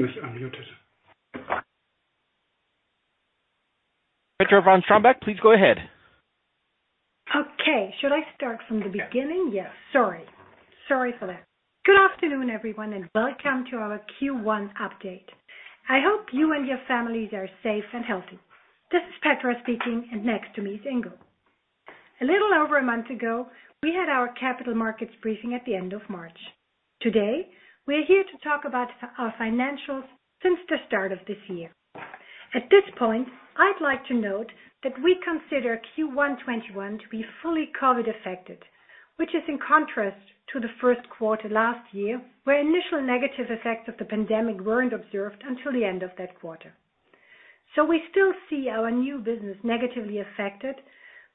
Yes, unmuted. Petra von Strombeck, please go ahead. Okay. Should I start from the beginning? Yeah. Yes, sorry. Sorry for that. Good afternoon, everyone, and welcome to our Q1 update. I hope you and your families are safe and healthy. This is Petra von Strombeck speaking, and next to me is Ingo Chu. A little over a month ago, we had our capital markets briefing at the end of March. Today, we're here to talk about our financials since the start of this year. At this point, I'd like to note that we consider Q1 2021 to be fully COVID affected, which is in contrast to the first quarter last year, where initial negative effects of the pandemic weren't observed until the end of that quarter. We still see our new business negatively affected,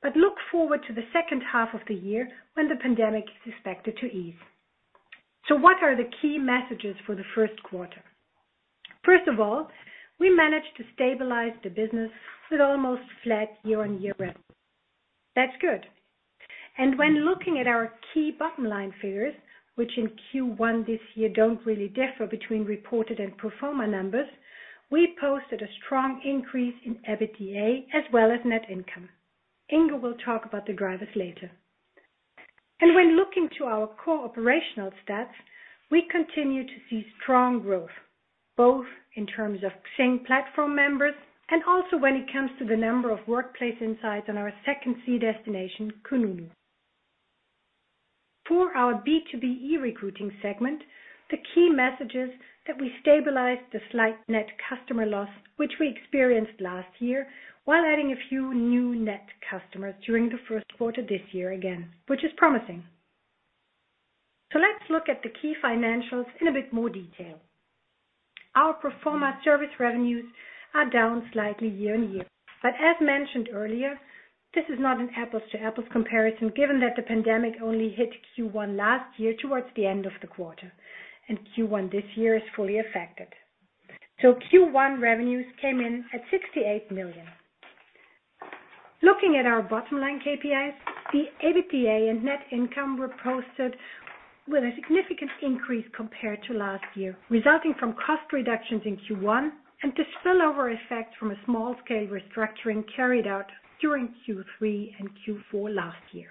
but look forward to the second half of the year when the pandemic is expected to ease. What are the key messages for the first quarter? We managed to stabilize the business with almost flat year-on-year revenue. That's good. When looking at our key bottom-line figures, which in Q1 this year don't really differ between reported and pro forma numbers, we posted a strong increase in EBITDA as well as net income. Ingo will talk about the drivers later. When looking to our core operational stats, we continue to see strong growth, both in terms of XING platform members and also when it comes to the number of workplace insights on our second C destination, kununu. For our B2B e-recruiting segment, the key message is that we stabilized the slight net customer loss which we experienced last year while adding a few new net customers during the first quarter this year again, which is promising. Let's look at the key financials in a bit more detail. Our pro forma service revenues are down slightly year-on-year. As mentioned earlier, this is not an apples-to-apples comparison given that the Corona only hit Q1 last year towards the end of the quarter, and Q1 this year is fully affected. Q1 revenues came in at 68 million. Looking at our bottom-line KPIs, the EBITDA and net income were posted with a significant increase compared to last year, resulting from cost reductions in Q1 and the spillover effect from a small-scale restructuring carried out during Q3 and Q4 last year.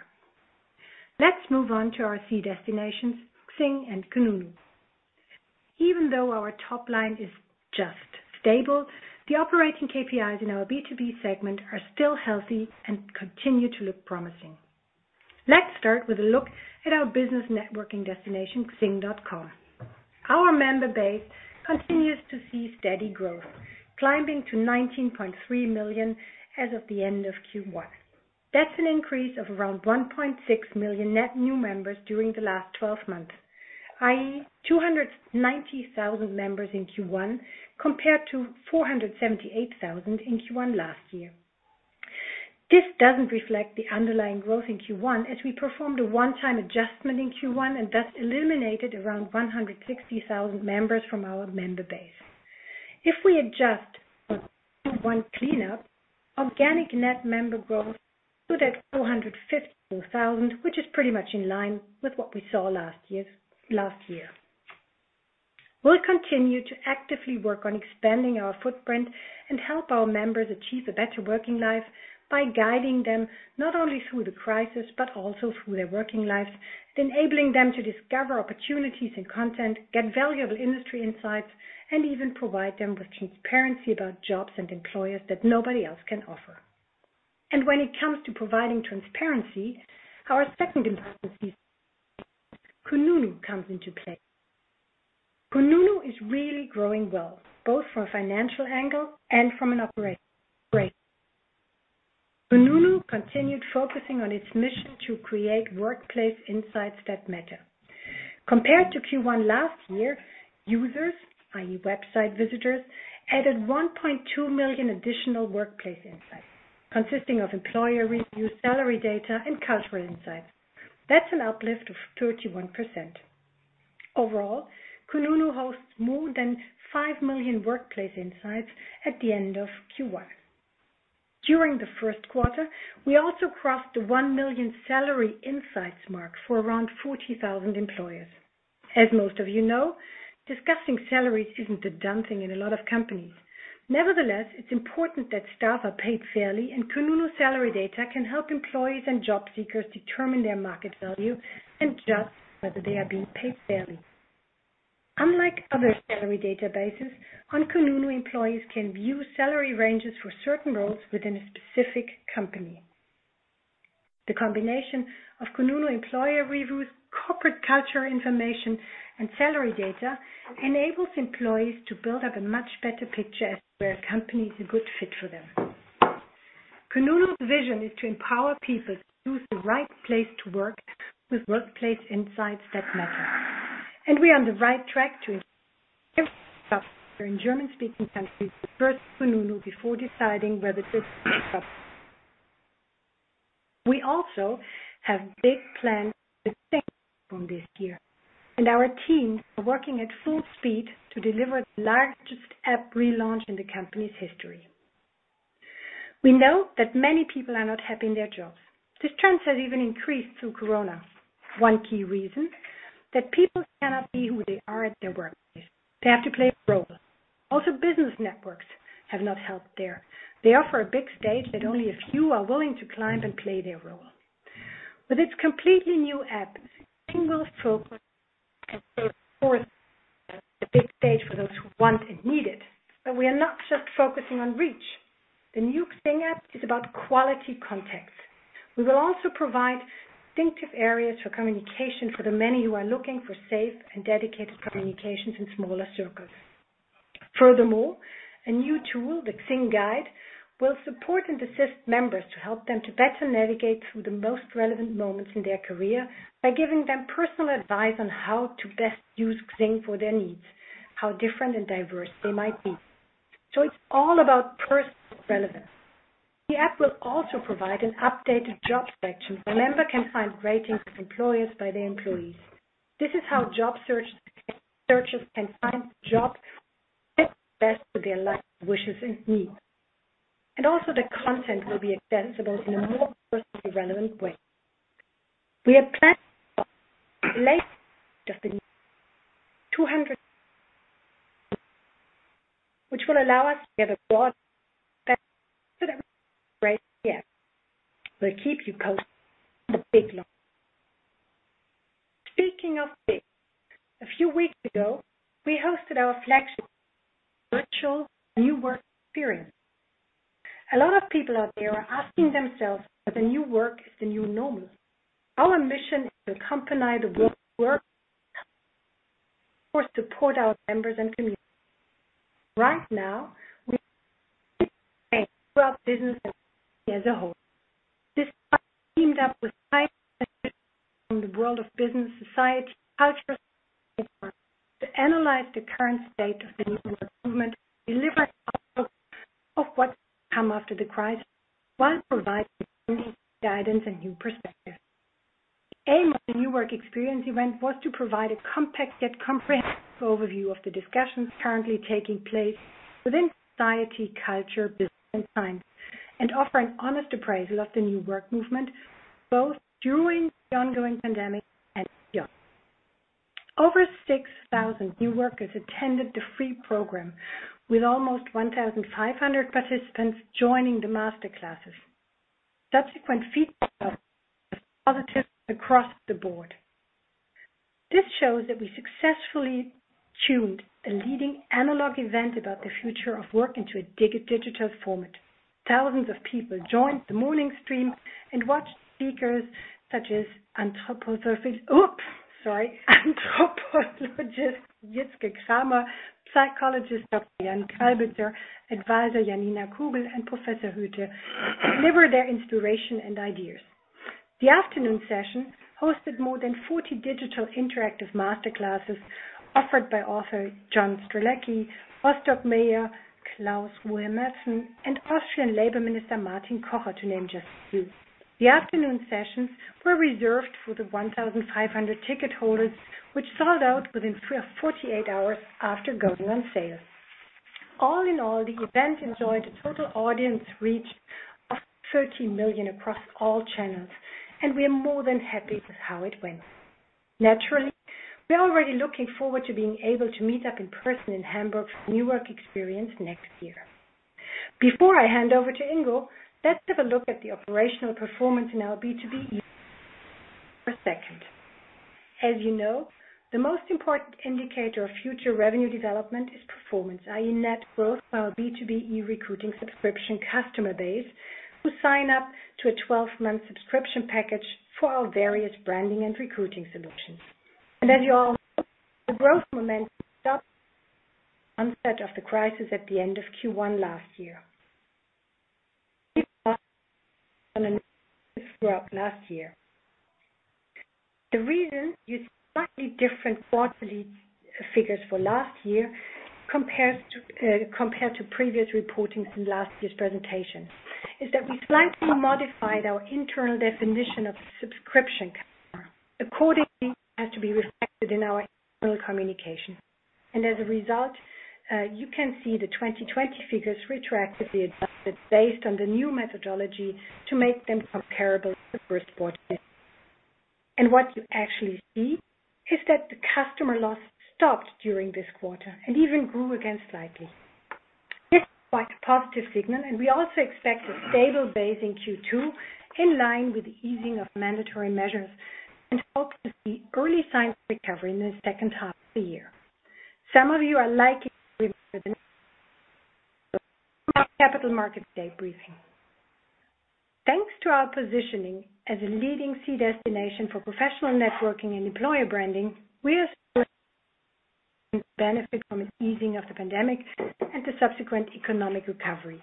Let's move on to our C destinations, XING and kununu. Even though our top line is just stable, the operating KPIs in our B2B segment are still healthy and continue to look promising. Let's start with a look at our business networking destination, XING.com. Our member base continues to see steady growth, climbing to 19.3 million as of the end of Q1. That's an increase of around 1.6 million net new members during the last 12 months, i.e., 290,000 members in Q1 compared to 478,000 in Q1 last year. This doesn't reflect the underlying growth in Q1 as we performed a one-time adjustment in Q1 and thus eliminated around 160,000 members from our member base. If we adjust for Q1 cleanup, organic net member growth stood at 454,000, which is pretty much in line with what we saw last year. We'll continue to actively work on expanding our footprint and help our members achieve a better working life by guiding them not only through the crisis but also through their working lives, enabling them to discover opportunities and content, get valuable industry insights, and even provide them with transparency about jobs and employers that nobody else can offer. When it comes to providing transparency, our second investment, kununu, comes into play. kununu is really growing well, both from a financial angle and from an operational, kununu continued focusing on its mission to create workplace insights that matter. Compared to Q1 last year, users, i.e., website visitors, added 1.2 million additional workplace insights consisting of employer reviews, salary data, and cultural insights. That's an uplift of 31%. Overall, kununu hosts more than 5 million workplace insights at the end of Q1. During the first quarter, we also crossed the 1 million salary insights mark for around 40,000 employers. As most of you know, discussing salaries isn't a done thing in a lot of companies. Nevertheless, it's important that staff are paid fairly, and kununu salary data can help employees and job seekers determine their market value and judge whether they are being paid fairly. Unlike other salary databases, on kununu, employees can view salary ranges for certain roles within a specific company. The combination of kununu employer reviews, corporate culture information, and salary data enables employees to build up a much better picture as to whether a company is a good fit for them. kununu's vision is to empower people to choose the right place to work with workplace insights that matter, and we are on the right track to in German-speaking countries first kununu before deciding whether to. Our teams are working at full speed to deliver the largest app relaunch in the company's history. We know that many people are not happy in their jobs. This trend has even increased through Corona. One key reason. People cannot be who they are at their workplace. They have to play a role. Business networks have not helped there. They offer a big stage that only a few are willing to climb and play their role. With this completely new app, XING will focus the big stage for those who want and need it. We are not just focusing on reach. The new XING app is about quality contacts. We will also provide distinctive areas for communication for the many who are looking for safe and dedicated communications in smaller circles. Furthermore, a new tool, the XING Guide, will support and assist members to help them to better navigate through the most relevant moments in their career by giving them personal advice on how to best use XING for their needs, how different and diverse they might be. It's all about personal relevance. The app will also provide an updated job section where members can find ratings of employers by their employees. This is how job searchers can find jobs that fit best with their life wishes and needs. Also the content will be extended in a more personally relevant way. We have planned late 200, which will allow us to get a broad great app. We'll keep you posted on the big launch. Speaking of big, a few weeks ago, we hosted our flagship virtual New Work Experience. A lot of people out there are asking themselves whether new work is the new normal. Our mission is to accompany the world of work or support our members and community. Right now, we business as a whole. This teamed up with the world of business, society, culture to analyze the current state of the New Work movement, deliver of what come after the crisis while providing unique guidance and new perspective. Aim of the New Work Experience event was to provide a compact yet comprehensive overview of the discussions currently taking place within society, culture, business, and science, and offer an honest appraisal of the New Work movement, both during the ongoing pandemic and beyond. Over 6,000 new workers attended the free program, with almost 1,500 participants joining the master classes. Subsequent feedback positive across the board. This shows that we successfully tuned a leading analog event about the future of work into a digital format. Thousands of people joined the morning stream and watched speakers such as anthropologists, Jitske Kramer, psychologist Dr. Jan Kalbitzer, advisor Janina Kugel, and Professor Hüther deliver their inspiration and ideas. The afternoon session hosted more than 40 digital interactive master classes offered by author John Strelecky, Rostock Mayor Claus Ruhe Madsen, and Austrian Labor Minister Martin Kocher, to name just a few. The afternoon sessions were reserved for the 1,500 ticket holders, which sold out within 48 hours after going on sale. All in all, the event enjoyed a total audience reach of 13 million across all channels, and we are more than happy with how it went. Naturally, we are already looking forward to being able to meet up in person in Hamburg for New Work Experience next year. Before I hand over to Ingo, let's have a look at the operational performance in our B2B for a second. As you know, the most important indicator of future revenue development is performance, i.e. net growth of our B2B e-recruiting subscription customer base who sign up to a 12-month subscription package for our various branding and recruiting solutions. As you all know, the growth momentum onset of the crisis at the end of Q1 last year throughout last year. The reason you see slightly different quarterly figures for last year compared to previous reportings in last year's presentation is that we slightly modified our internal definition of subscription customer. Accordingly, it has to be reflected in our external communication. As a result, you can see the 2020 figures retroactively adjusted based on the new methodology to make them comparable to the first quarter. What you actually see is that the customer loss stopped during this quarter and even grew again slightly. This is quite a positive signal, and we also expect a stable base in Q2 in line with the easing of mandatory measures and hope to see early signs of recovery in the second half of the year. Some of you are likely Capital Markets Day briefing. Thanks to our positioning as a leading C destination for professional networking and employer branding, we are benefit from an easing of the pandemic and the subsequent economic recovery.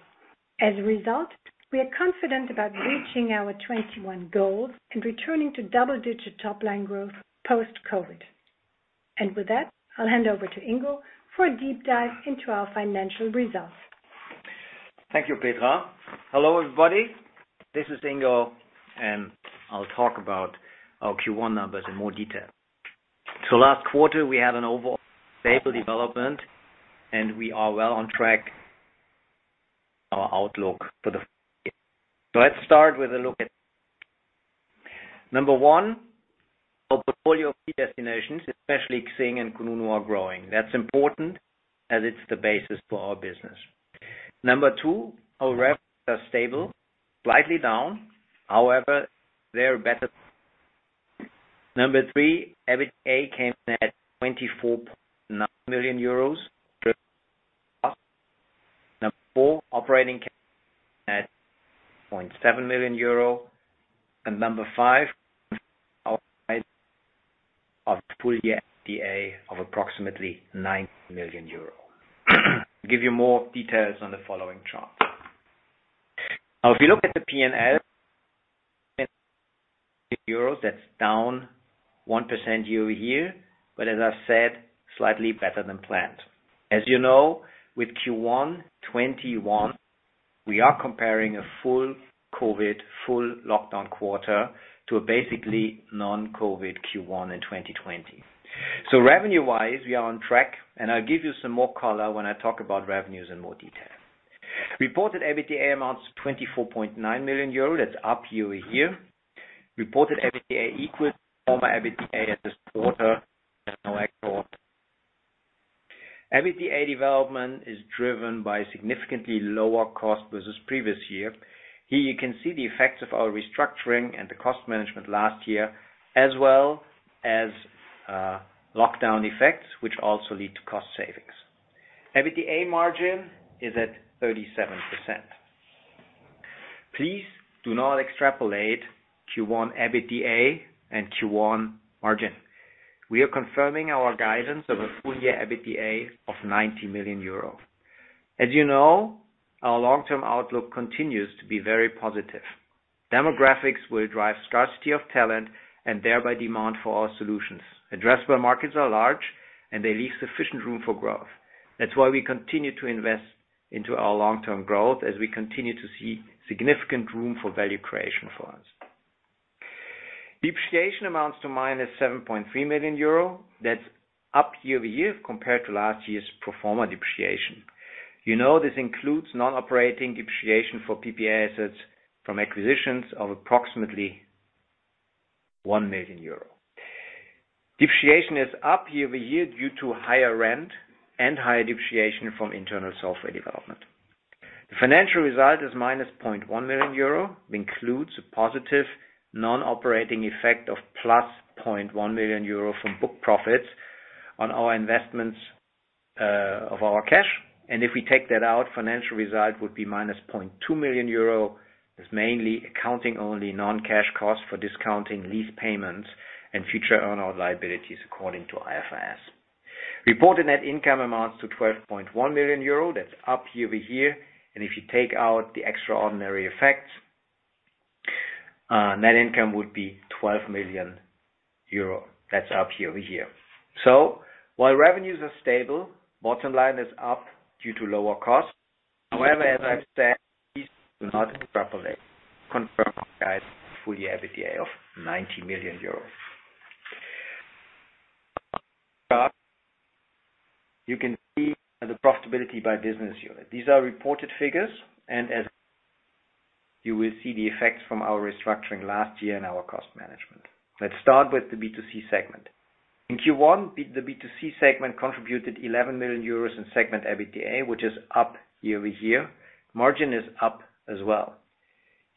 As a result, we are confident about reaching our 2021 goals and returning to double-digit top-line growth post-COVID. With that, I'll hand over to Ingo for a deep dive into our financial results. Thank you, Petra. Hello, everybody. This is Ingo, and I'll talk about our Q1 numbers in more detail. Last quarter, we had an overall stable development, and we are well on track with our outlook for the full year. Let's start with a look at number one, our portfolio of key destinations, especially XING and kununu, are growing. That's important as it's the basis for our business. Number two, our revenues are stable, slightly down. However, they are better. Number three, EBITDA came in at 24.9 million euros, up. Number four, operating cash flow at 0.7 million euro, and number five, our guidance of full year EBITDA of approximately 90 million euro. I'll give you more details on the following chart. Now if you look at the P&L, euros that's down 1% year-over-year, but as I said, slightly better than planned. As you know, with Q1 2021, we are comparing a full COVID, full lockdown quarter to a basically non-COVID Q1 2020. Revenue-wise, we are on track, and I'll give you some more color when I talk about revenues in more detail. Reported EBITDA amounts to 24.9 million euro. That's up year-over-year. Reported EBITDA equals pro forma EBITDA as this quarter has no extraordinary items. EBITDA development is driven by significantly lower cost versus previous year. Here you can see the effects of our restructuring and the cost management last year, as well as lockdown effects, which also lead to cost savings. EBITDA margin is at 37%. Please do not extrapolate Q1 EBITDA and Q1 margin. We are confirming our guidance of a full-year EBITDA of 90 million euros. As you know, our long-term outlook continues to be very positive. Demographics will drive scarcity of talent and thereby demand for our solutions. Addressable markets are large, they leave sufficient room for growth. That's why we continue to invest into our long-term growth as we continue to see significant room for value creation for us. Depreciation amounts to minus 7.3 million euro. That's up year-over-year compared to last year's pro forma depreciation. You know this includes non-operating depreciation for PPA assets from acquisitions of approximately 1 million euro. Depreciation is up year-over-year due to higher rent and higher depreciation from internal software development. The financial result is minus 0.1 million euro, includes a positive non-operating effect of plus 0.1 million euro from book profits on our investments of our cash. If we take that out, financial result would be minus 0.2 million euro, is mainly accounting only non-cash cost for discounting lease payments and future earn out liabilities according to IFRS. Reported net income amounts to 12.1 million euro. That's up year-over-year, and if you take out the extraordinary effects, net income would be 12 million euro. That's up year-over-year. While revenues are stable, bottom line is up due to lower cost. However, as I've said, please do not extrapolate. We confirm our guidance of full year EBITDA of EUR 90 million. You can see the profitability by business unit. These are reported figures, and as you will see the effects from our restructuring last year and our cost management. Let's start with the B2C segment. In Q1, the B2C segment contributed 11 million euros in segment EBITDA, which is up year-over-year. Margin is up as well.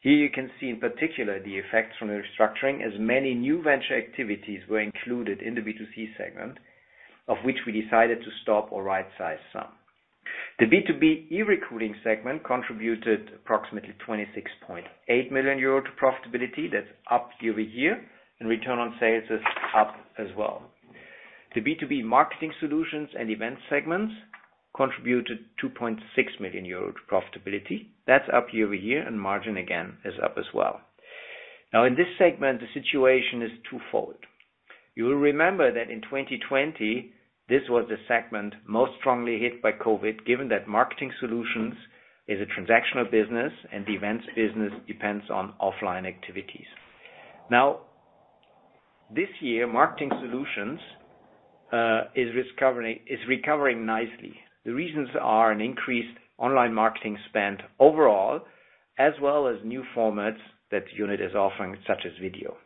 Here you can see in particular the effects from the restructuring as many new venture activities were included in the B2C segment of which we decided to stop or right-size some. The B2B e-recruiting segment contributed approximately 26.8 million euro to profitability. That's up year-over-year, and return on sales is up as well. The B2B marketing solutions and events segments contributed 2.6 million euro to profitability. That's up year-over-year and margin again is up as well. Now in this segment, the situation is twofold. You will remember that in 2020, this was the segment most strongly hit by COVID, given that marketing solutions is a transactional business and the events business depends on offline activities. Now, this year, marketing solutions is recovering nicely. The reasons are an increased online marketing spend overall, as well as new formats that the unit is offering, such as video.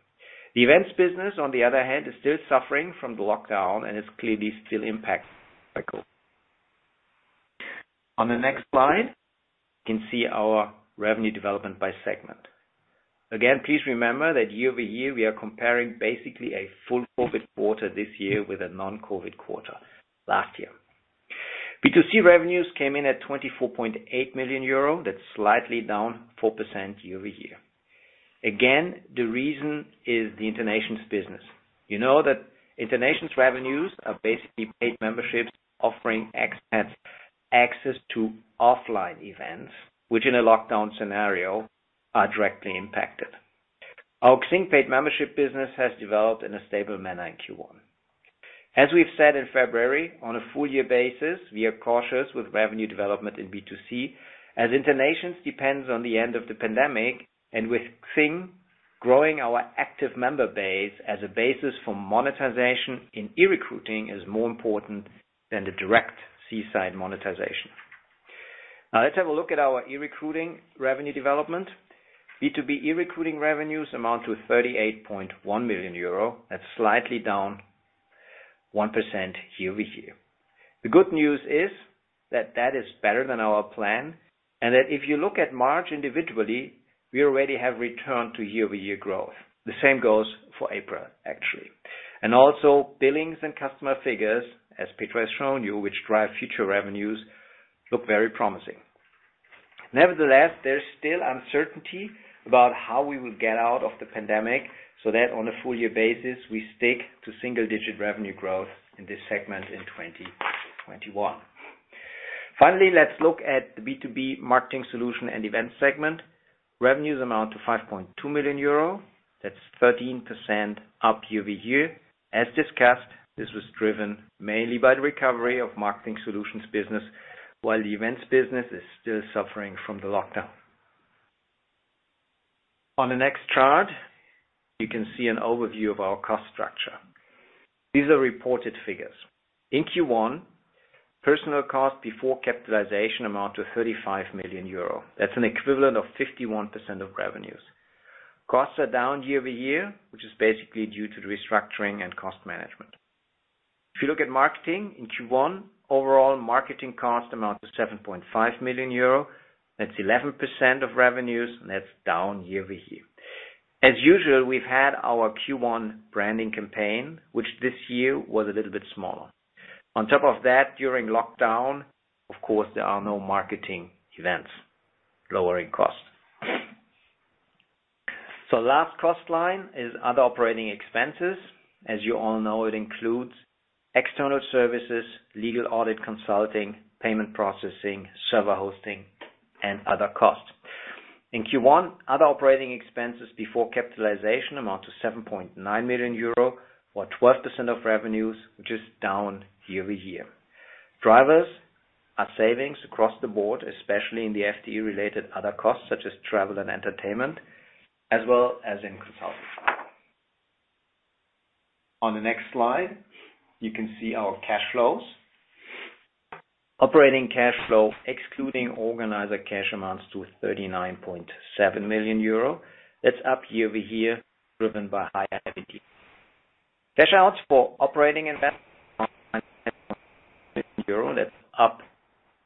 The events business, on the other hand, is still suffering from the lockdown and is clearly still impacted by COVID. On the next slide, you can see our revenue development by segment. Again, please remember that year-over-year we are comparing basically a full COVID quarter this year with a non-COVID quarter last year. B2C revenues came in at 24.8 million euro. That's slightly down 4% year-over-year. Again, the reason is the InterNations business. You know that InterNations revenues are basically paid memberships offering access to offline events, which in a lockdown scenario are directly impacted. Our XING paid membership business has developed in a stable manner in Q1. As we've said in February, on a full year basis, we are cautious with revenue development in B2C as InterNations depends on the end of the pandemic and with XING growing our active member base as a basis for monetization in e-recruiting is more important than the direct C-side monetization. Let's have a look at our e-recruiting revenue development. B2B e-recruiting revenues amount to 38.1 million euro. That's slightly down 1% year-over-year. The good news is that that is better than our plan, and that if you look at March individually, we already have returned to year-over-year growth. The same goes for April, actually. Also billings and customer figures, as Petra has shown you, which drive future revenues, look very promising. Nevertheless, there's still uncertainty about how we will get out of the pandemic, so that on a full year basis, we stick to single-digit revenue growth in this segment in 2021. Finally, let's look at the B2B marketing solution and events segment. Revenues amount to 5.2 million euro. That's 13% up year-over-year. As discussed, this was driven mainly by the recovery of marketing solutions business, while the events business is still suffering from the lockdown. On the next chart, you can see an overview of our cost structure. These are reported figures. In Q1, personal cost before capitalization amount to 35 million euro. That's an equivalent of 51% of revenues. Costs are down year-over-year, which is basically due to the restructuring and cost management. If you look at marketing in Q1, overall marketing cost amount to 7.5 million euro. That's 11% of revenues, and that's down year-over-year. As usual, we've had our Q1 branding campaign, which this year was a little bit smaller. On top of that, during lockdown, of course, there are no marketing events, lowering costs. Last cost line is other operating expenses. As you all know, it includes external services, legal audit consulting, payment processing, server hosting, and other costs. In Q1, other operating expenses before capitalization amount to 7.9 million euro or 12% of revenues, which is down year-over-year. Drivers are savings across the board, especially in the FTE-related other costs such as travel and entertainment, as well as in consulting. On the next slide, you can see our cash flows. Operating cash flow, excluding organizer cash amounts to 39.7 million euro. That's up year-over-year, driven by higher EBITDA. Cash outs for operating investments euro, that's up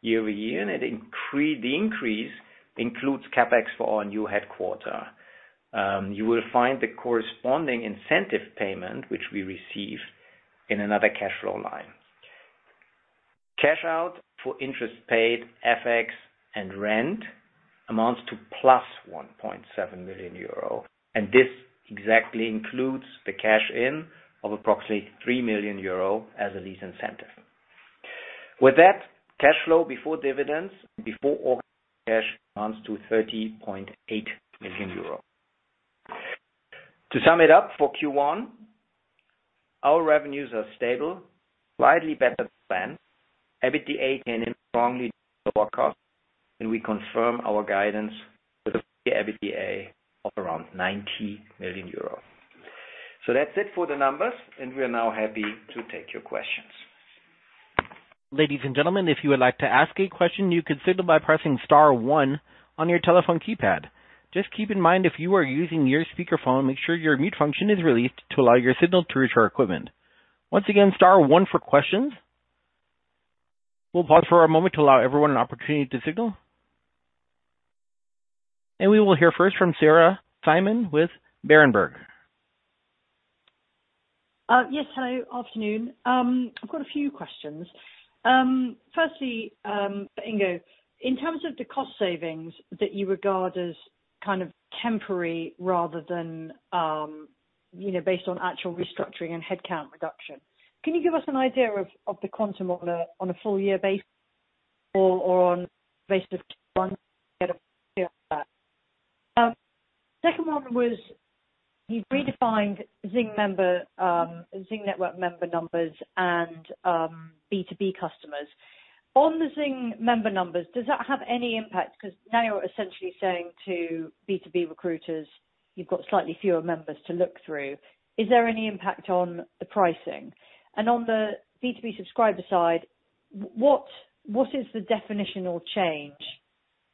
year-over-year, and the increase includes CapEx for our new headquarter. You will find the corresponding incentive payment, which we receive in another cash flow line. Cash out for interest paid, FX, and rent amounts to +1.7 million euro, and this exactly includes the cash in of approximately 3 million euro as a lease incentive. With that, cash flow before dividends, before organized cash, amounts to 30.8 million euro. To sum it up for Q1, our revenues are stable, slightly better than planned. EBITDA came in strongly below cost, and we confirm our guidance with the EBITDA of around 90 million euros. That's it for the numbers, and we're now happy to take your questions. Ladies and gentlemen, if you would like to ask a question, you could signal by pressing star one on your telephone keypad. Just keep in mind, if you are using your speakerphone, make sure your mute function is released to allow your signal to reach our equipment. Once again, star one for questions. We'll pause Yes. Hello. Afternoon. I've got a few questions. Firstly, Ingo, in terms of the cost savings that you regard as temporary rather than based on actual restructuring and headcount reduction, can you give us an idea of the quantum on a full year basis or on basis of Q1 to get a feel for that? Second one was you've redefined XING network member numbers and B2B customers. On the XING member numbers, does that have any impact? Because now you're essentially saying to B2B recruiters, "You've got slightly fewer members to look through." Is there any impact on the pricing? On the B2B subscriber side, what is the definitional change?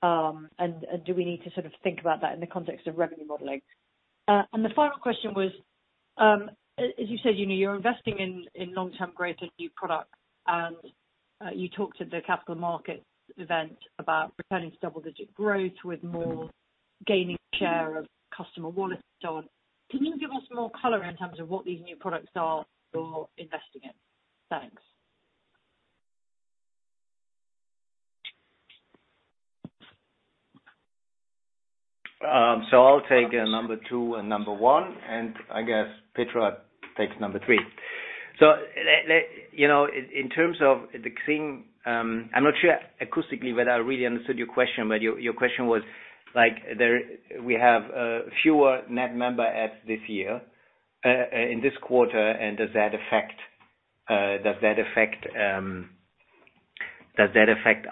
Do we need to think about that in the context of revenue modeling? The final question was, as you said, you're investing in long-term growth and new products, and you talked at the capital markets event about returning to double-digit growth with more gaining share of customer wallets and so on. Can you give us more color in terms of what these new products are you're investing in? Thanks. I'll take number two and number one, and I guess Petra takes number three. In terms of the XING, I'm not sure acoustically whether I really understood your question, but your question was we have fewer net member adds this year, in this quarter, and does that affect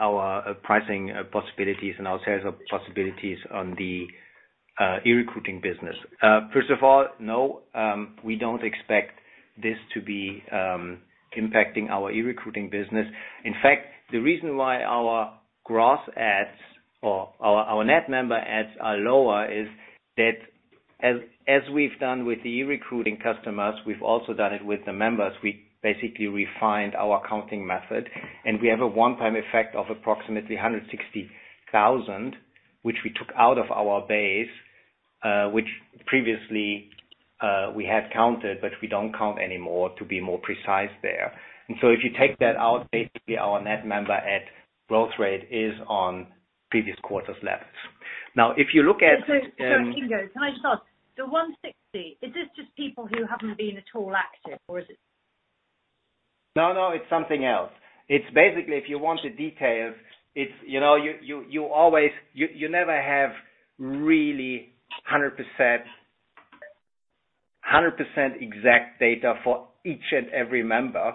our pricing possibilities and our sales possibilities on the e-recruiting business. First of all, no, we don't expect this to be impacting our e-recruiting business. In fact, the reason why our gross adds or our net member adds are lower is that as we've done with the e-recruiting customers, we've also done it with the members. We basically refined our counting method, and we have a one-time effect of approximately 160,000, which we took out of our base, which previously we had counted but we don't count anymore, to be more precise there. If you take that out, basically our net member add growth rate is on previous quarters levels. Ingo, can I just ask, the 160, is this just people who haven't been at all active or is it? No, it's something else. It's basically, if you want the details, you never have really 100% exact data for each and every member.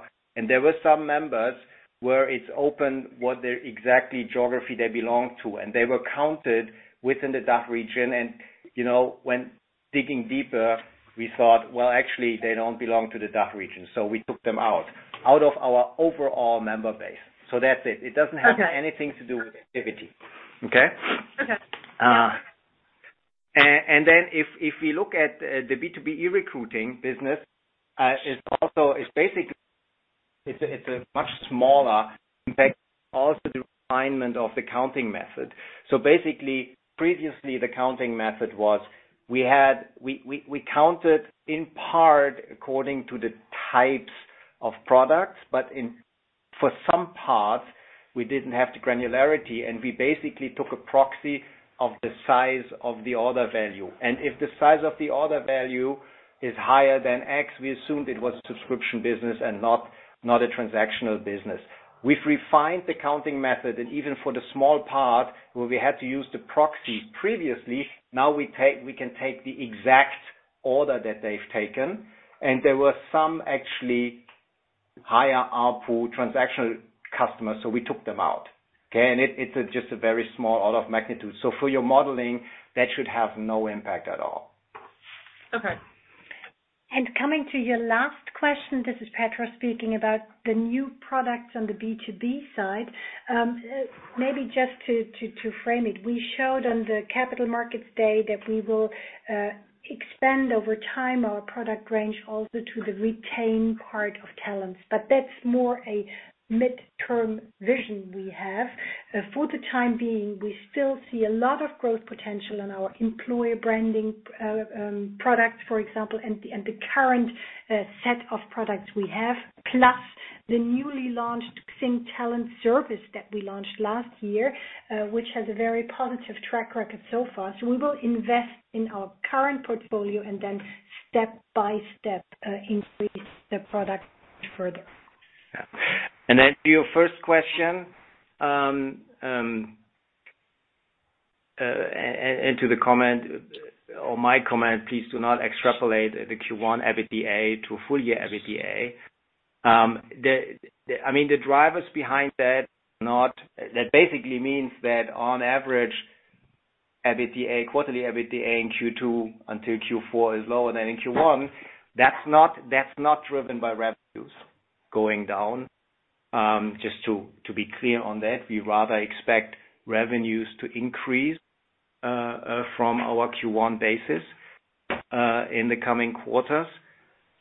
There were some members where it's open what their exact geography they belong to. They were counted within the DACH region. When digging deeper, we thought, "Well, actually, they don't belong to the DACH region." We took them out of our overall member base. That's it. Okay anything to do with activity. Okay? Okay. If we look at the B2B e-recruiting business, it's a much smaller impact, also the refinement of the counting method. Previously the counting method was we counted in part according to the types of products, but for some parts, we didn't have the granularity, and we basically took a proxy of the size of the order value. If the size of the order value is higher than X, we assumed it was a subscription business and not a transactional business. We've refined the counting method, and even for the small part where we had to use the proxy previously, now we can take the exact order that they've taken, and there were some actually higher output transactional customers, so we took them out. Okay? It's just a very small order of magnitude. For your modeling, that should have no impact at all. Okay. Coming to your last question, this is Petra speaking, about the new products on the B2B side. Maybe just to frame it, we showed on the Capital Markets Day that we will expand over time our product range also to the retain part of talents. That's more a midterm vision we have. For the time being, we still see a lot of growth potential in our employer branding products, for example, and the current set of products we have, plus the newly launched XING TalentService that we launched last year, which has a very positive track record so far. We will invest in our current portfolio and then step by step increase the product range further. Yeah. Then to your first question, and to the comment or my comment, please do not extrapolate the Q1 EBITDA to full year EBITDA. The drivers behind that basically means that on average, quarterly EBITDA in Q2 until Q4 is lower than in Q1. That's not driven by revenues going down. Just to be clear on that, we rather expect revenues to increase from our Q1 basis in the coming quarters.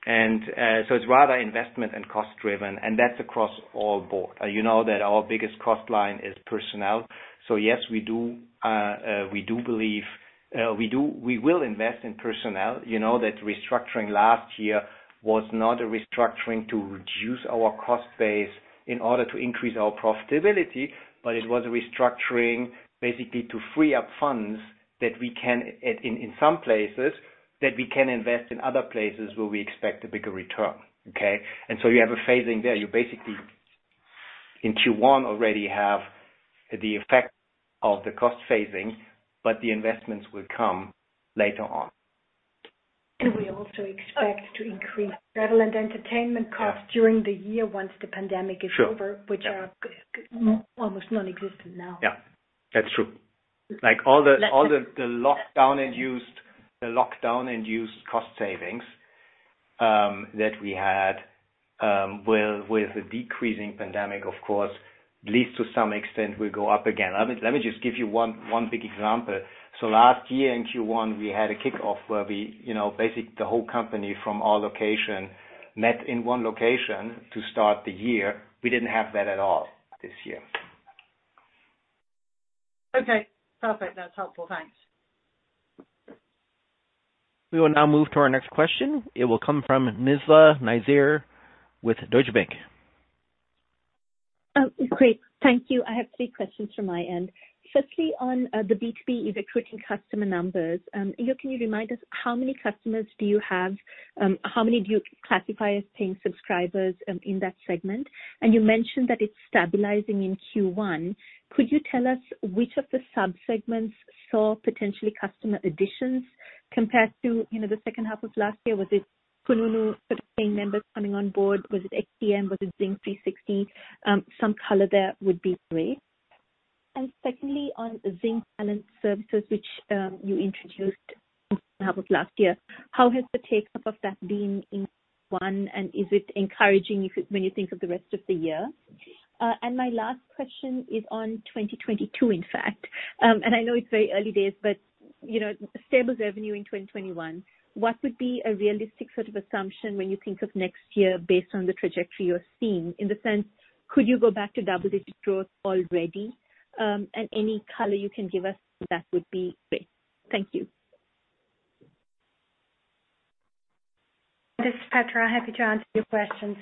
It's rather investment and cost-driven, and that's across the board. You know that our biggest cost line is personnel. Yes, we will invest in personnel. You know that restructuring last year was not a restructuring to reduce our cost base in order to increase our profitability, it was a restructuring basically to free up funds that we can, in some places, that we can invest in other places where we expect a bigger return. Okay. You have a phasing there. You basically in Q1 already have the effect of the cost phasing, but the investments will come later on. We also expect to increase travel and entertainment costs during the year once the pandemic is over. Sure which are almost non-existent now. Yeah. That's true. All the lockdown-induced cost savings that we had with the decreasing pandemic, of course, leads to some extent will go up again. Let me just give you one big example. Last year in Q1, we had a kickoff where basically the whole company from all location met in one location to start the year. We didn't have that at all this year. Okay. Perfect. That's helpful. Thanks. We will now move to our next question. It will come from Nizla Naizer with Deutsche Bank. Great. Thank you. I have three questions from my end. Firstly, on the B2B e-recruiting customer numbers. Ingo, can you remind us how many customers do you have? How many do you classify as paying subscribers in that segment? You mentioned that it's stabilizing in Q1. Could you tell us which of the sub-segments saw potentially customer additions compared to the second half of last year, was it kununu paying members coming on board? Was it XTS? Was it XING 360? Some color there would be great. Secondly, on XING TalentService, which you introduced half of last year, how has the take-up of that been in Q1, and is it encouraging when you think of the rest of the year? My last question is on 2022, in fact, I know it's very early days, but stable revenue in 2021, what would be a realistic sort of assumption when you think of next year based on the trajectory you're seeing, in the sense, could you go back to double-digit growth already? Any color you can give us on that would be great. Thank you. This is Petra. Happy to answer your questions.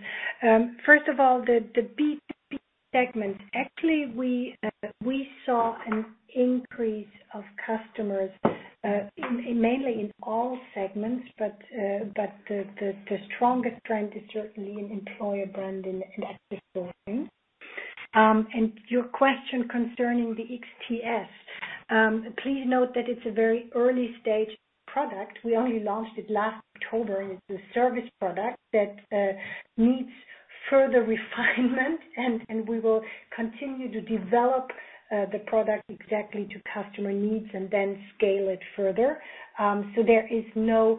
First of all, the B2B segment. Actually, we saw an increase of customers mainly in all segments, but the strongest trend is certainly in employer brand and sourcing. Your question concerning the XTS. Please note that it's a very early-stage product. We only launched it last October, and it's a service product that needs further refinement, and we will continue to develop the product exactly to customer needs and then scale it further. There is no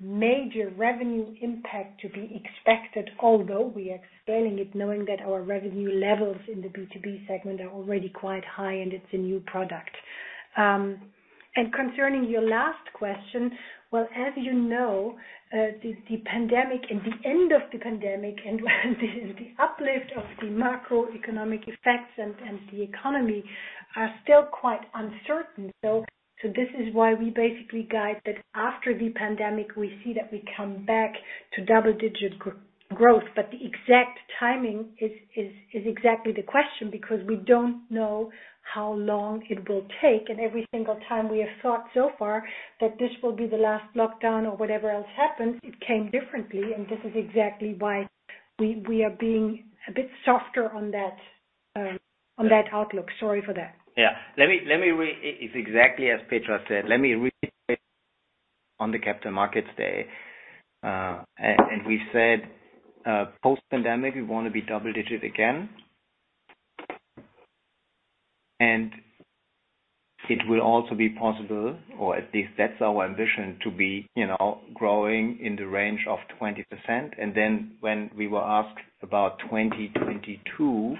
major revenue impact to be expected, although we are scaling it knowing that our revenue levels in the B2B segment are already quite high and it's a new product. Concerning your last question, well, as you know, the pandemic and the end of the pandemic and the uplift of the macroeconomic effects and the economy are still quite uncertain. This is why we basically guide that after the pandemic, we see that we come back to double-digit growth. The exact timing is exactly the question because we don't know how long it will take. Every single time we have thought so far that this will be the last lockdown or whatever else happens, it came differently, and this is exactly why we are being a bit softer on that outlook. Sorry for that. Yeah. It's exactly as Petra said. Let me repeat on the Capital Markets Day. We said, post-pandemic, we want to be double digit again. It will also be possible, or at least that's our ambition, to be growing in the range of 20%. When we were asked about 2022,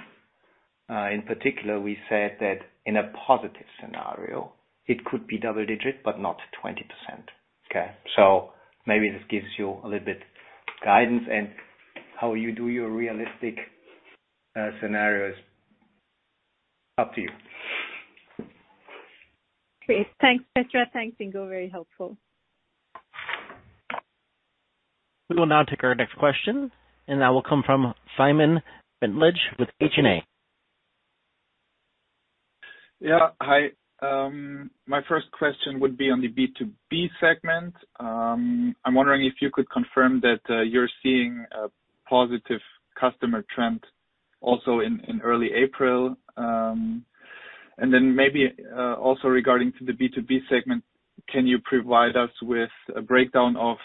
in particular, we said that in a positive scenario, it could be double digit, but not 20%. Okay? Maybe this gives you a little bit guidance and how you do your realistic scenarios, up to you. Great. Thanks, Petra. Thanks, Ingo. Very helpful. We will now take our next question, and that will come from Simon Bentlage with H&A. Yeah. Hi. My first question would be on the B2B segment. I'm wondering if you could confirm that you're seeing a positive customer trend also in early April. Maybe, also regarding to the B2B segment, can you provide us with a breakdown of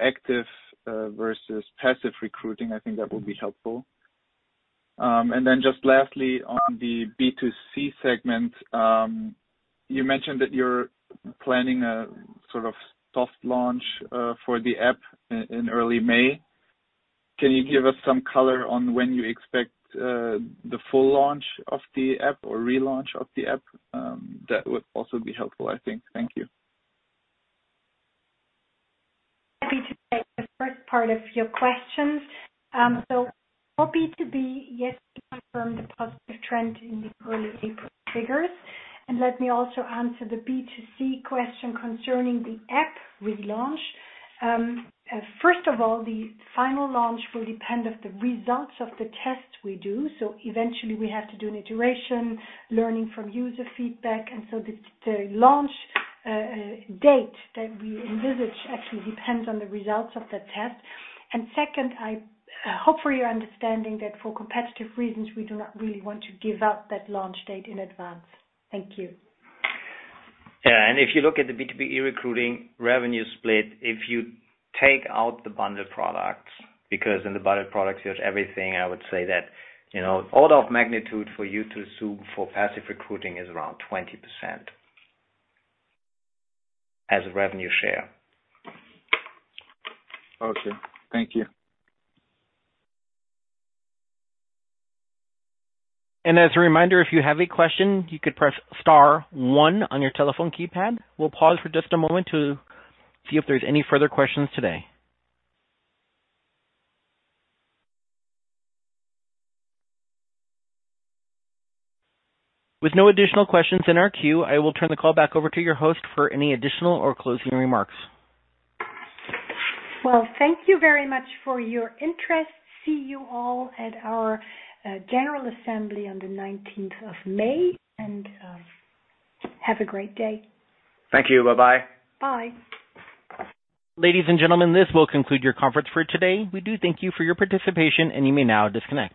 active versus passive recruiting? I think that would be helpful. Just lastly, on the B2C segment, you mentioned that you're planning a sort of soft launch for the app in early May. Can you give us some color on when you expect the full launch of the app or relaunch of the app? That would also be helpful, I think. Thank you. Happy to take the first part of your question. For B2B, yes, we confirm the positive trend in the early April figures. Let me also answer the B2C question concerning the app relaunch. First of all, the final launch will depend on the results of the tests we do. Eventually we have to do an iteration, learning from user feedback. The launch date that we envisage actually depends on the results of that test. Second, I hope for your understanding that for competitive reasons, we do not really want to give out that launch date in advance. Thank you. Yeah, if you look at the B2B e-recruiting revenue split, if you take out the bundled products, because in the bundled products, you have everything, I would say that, order of magnitude for you to assume for passive recruiting is around 20% as a revenue share. Okay. Thank you. As a reminder, if you have a question, you could press star one on your telephone keypad. We'll pause for just a moment to see if there's any further questions today. With no additional questions in our queue, I will turn the call back over to your host for any additional or closing remarks. Well, thank you very much for your interest. See you all at our general assembly on the 19th of May, and have a great day. Thank you. Bye-bye. Bye. Ladies and gentlemen, this will conclude your conference for today. We do thank you for your participation, and you may now disconnect.